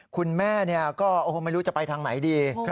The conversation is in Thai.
คุณแม่ก็ไม่รู้จะไปทางไหนดี